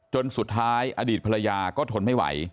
จนสุดท้ายอดีตภรรยาก็ทนไม่ไหว